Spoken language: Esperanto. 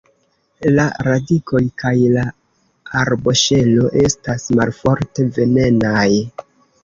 La radikoj kaj la arboŝelo estas malforte venenaj.